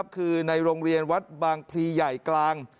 คือในโรงเรียนวัดบางพลีใหญ่กลาง